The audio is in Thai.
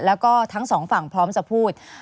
แล้วก็ทั้งสองฝั่งพร้อมจะพูด